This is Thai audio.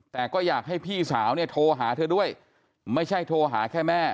แต่ก็อยากให้พี่สาวเนี่ยโทรหาเธอด้วยไม่ใช่โทรหาแค่แม่